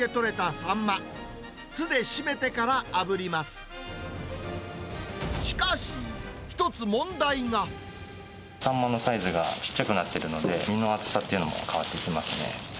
サンマのサイズが小っちゃくなってるので、身の厚さっていうのも変わってきますね。